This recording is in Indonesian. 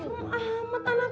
ah mata anaknya